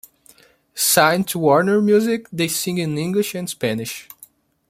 Signed to Warner Music, they sing in English and Spanish.